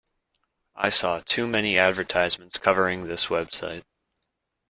I saw too many advertisements covering this website.